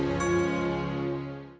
mas apaan itu